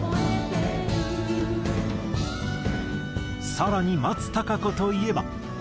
更に松たか子といえば。